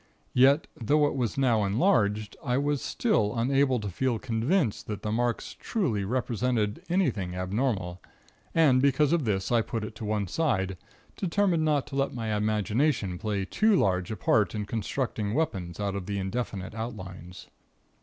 Yet, though it was now enlarged, I was still unable to feel convinced that the marks truly represented anything abnormal; and because of this, I put it on one side, determined not to let my imagination play too large a part in constructing weapons out of the indefinite outlines.